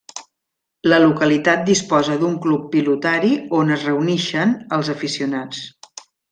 La localitat disposa d'un club pilotari on es reunixen els aficionats.